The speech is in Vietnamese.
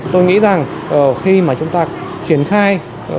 tôi nghĩ rằng khi mà chúng ta chuyển khai